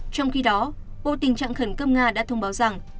trong khi đó bộ tình trạng khẩn cấp nga đã thông báo rằng